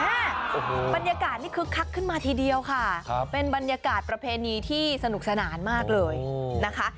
บรรยากาศนี่คึกคักขึ้นมาทีเดียวค่ะครับเป็นบรรยากาศประเพณีที่สนุกสนานมากเลยนะคะ